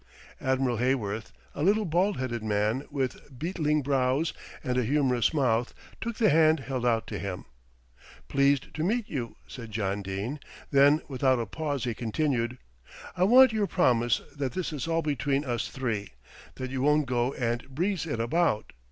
Admiral Heyworth, a little bald headed man with beetling brows and a humorous mouth, took the hand held out to him. "Pleased to meet you," said John Dene, then without a pause he continued: "I want your promise that this is all between us three, that you won't go and breeze it about."